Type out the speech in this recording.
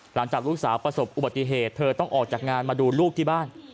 หลังจากลูกสาวประสบอุบัติเหตุเธอต้องออกจากงานมาดูลูกที่บ้าน